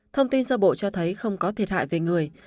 thông tin sơ bộ cho thấy không có thiệt hại về người